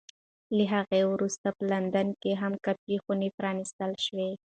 له هغې وروسته په لندن کې هم کافي خونې پرانېستل شوې.